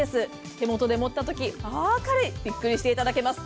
手元で持ったときわあ、軽い。びっくりしていただけます。